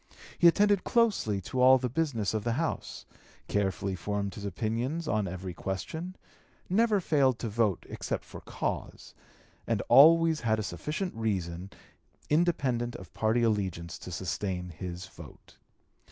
He attended closely to all the business of the House; carefully formed his opinions on every question; never failed to vote except for cause; and always had a sufficient reason independent of party allegiance to sustain his vote.